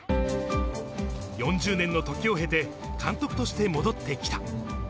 ４０年の時を経て監督として戻ってきた。